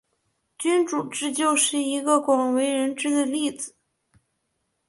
君主制就是一个广为人知的例子。